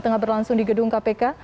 tengah berlangsung di gedung kpk